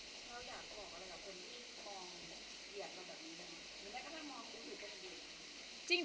หรือแม้ก็มองคิดถึงคนเดียว